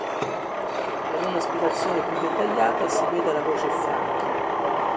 Per una spiegazione più dettagliata si veda la voce Franchi.